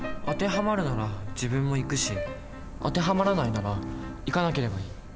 当てはまるなら自分も行くし当てはまらないなら行かなければいい。